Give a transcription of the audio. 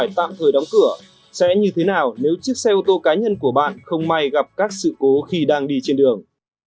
tạm thời đóng cửa sẽ như thế nào nếu chiếc xe ô tô cá nhân của bạn không may gặp các sự cố khi đang đi trên đường